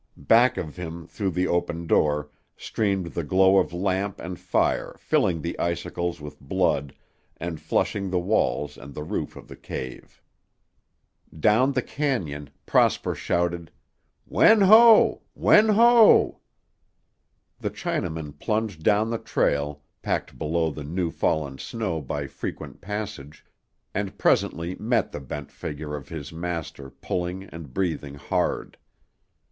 Back of him through the open door streamed the glow of lamp and fire filling the icicles with blood and flushing the walls and the roof of the cave. Down the cañon Prosper shouted, "Wen Ho! Wen Ho!" The Chinaman plunged down the trail, packed below the new fallen snow by frequent passage, and presently met the bent figure of his master pulling and breathing hard.